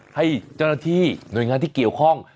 ให้เจ้าหน้าที่หน่วยงานที่เกี่ยวข้อง